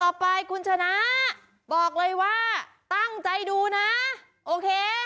ต่อไปคุณชนะบอกเลยว่าตั้งใจดูนะโอเค